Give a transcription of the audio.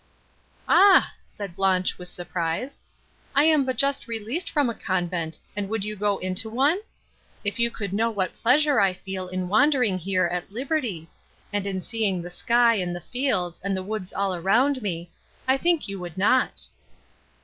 "Ah!" said Blanche with surprise, "I am but just released from a convent, and would you go into one? If you could know what pleasure I feel in wandering here, at liberty,—and in seeing the sky and the fields, and the woods all round me, I think you would not."